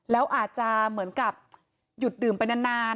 แล้วอาจจะเหมือนกับหยุดดื่มไปนาน